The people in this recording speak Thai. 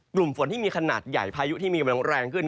กลุ่มฝนที่มีขนาดใหญ่พายุที่มีกำลังแรงขึ้น